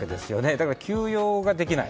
だから急用ができない。